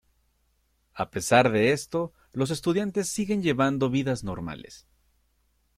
A pesar de esto, los estudiantes siguen llevando vidas normales.